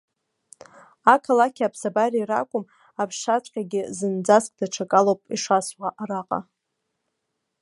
Ақалақьи аԥсабареи ракәым, аԥшаҵәҟьагьы зынӡаск даҽакалоуп ишасуа араҟа.